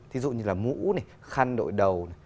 thí dụ như là mũ khăn đội đầu